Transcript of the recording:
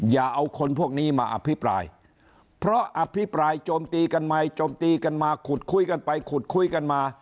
อย่าเอาคนพวกนี้มาอภิปรายเพราะอภิปรายโจมตีกันใหม่โจมตีกันมาขุดคุยกันไปขุดคุยกันมา